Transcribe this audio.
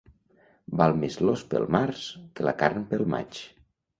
Val més l'os pel març que la carn pel maig.